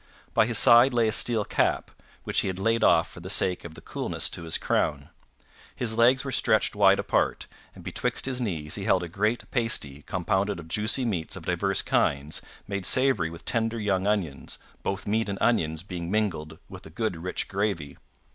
By his side lay a steel cap, which he had laid off for the sake of the coolness to his crown. His legs were stretched wide apart, and betwixt his knees he held a great pasty compounded of juicy meats of divers kinds made savory with tender young onions, both meat and onions being mingled with a good rich gravy.